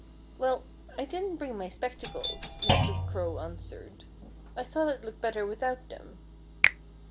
"Well, I didn't bring my spectacles," Mr. Crow answered. "I thought I'd look better without them."